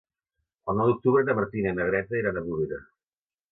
El nou d'octubre na Martina i na Greta iran a Bovera.